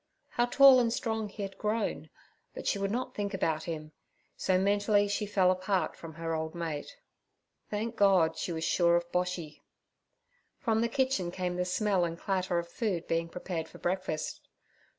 How tall and strong he had grown, but she would not think about him, so mentally she fell apart from her old mate. Thank God, she was sure of Boshy. From the kitchen came the smell and clatter of food being prepared for breakfast.